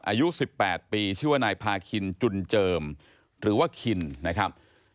อายุ๑๘ปีชื่อว่านายพาคินจุนเจิมหรือว่าคินนะครับ